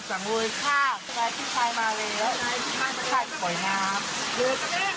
เชื่อเล่นเชื่อ